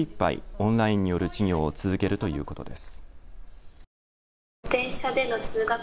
オンラインによる授業を続けるということです。